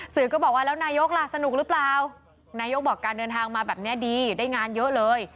ก็บอกว่าแล้วนายกล่ะสนุกหรือเปล่านายกบอกการเดินทางมาแบบนี้ดีได้งานเยอะเลย